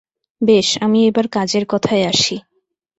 বেশ, আমি এবার কাজের কথায় আসি।